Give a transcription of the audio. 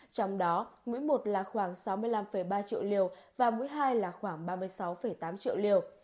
trong đó mũi một là khoảng sáu mươi năm ba triệu liều và mũi hai là khoảng ba mươi sáu tám triệu liều